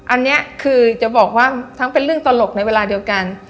อันนี้คือจะบอกว่าทั้งเป็นเรื่องตลกในเวลาเดียวกัน